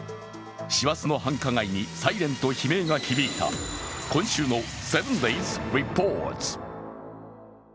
師走の繁華街にサイレンと悲鳴が響いた今週の「７ｄａｙｓリポート」。